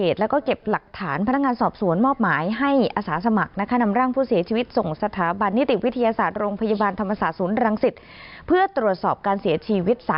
แต่เขาก็ไม่จมนะเขาก็ว่ายน้ำมาสุดยิ้ม